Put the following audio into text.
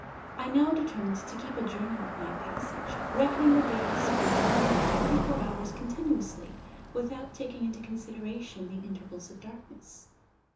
I now determined to keep a journal of my passage, reckoning the days from one to twenty four hours continuously, without taking into consideration the intervals of darkness.